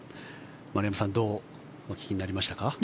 丸山さんどうお聞きになりましたか？